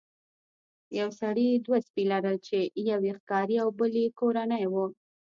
یو سړي دوه سپي لرل چې یو یې ښکاري او بل یې کورنی و.